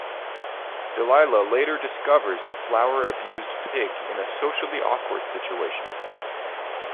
Delia later discovers the flower-abused pig in a socially awkward situation.